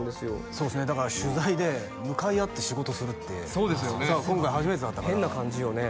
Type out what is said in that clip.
そうですねだから取材で向かい合って仕事するって今回初めてだったから変な感じよね